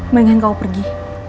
mendingan kau pergi